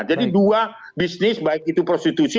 jadi dua bisnis baik itu prostitusi